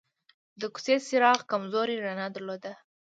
د کوڅې څراغ کمزورې رڼا درلوده.